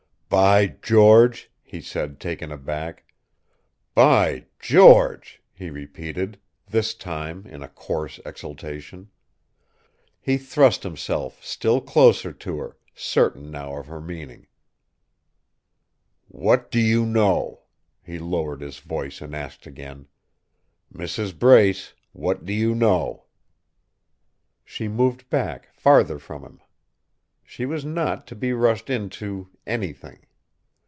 "By George!" he said, taken aback. "By George!" he repeated, this time in a coarse exultation. He thrust himself still closer to her, certain now of her meaning. "What do you know?" He lowered his voice and asked again: "Mrs. Brace, what do you know?" She moved back, farther from him. She was not to be rushed into anything.